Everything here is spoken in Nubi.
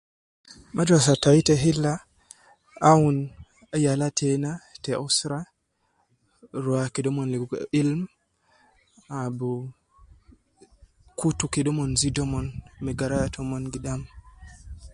Madrasa tai ta hilla aun yala teena te usra ruwa kede omon ligo ilm ab kutu kede omon zidu omon me garaya tomon gidam